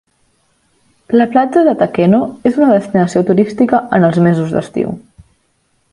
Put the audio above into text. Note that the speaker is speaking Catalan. La platja de Takeno és una destinació turística en els mesos d'estiu.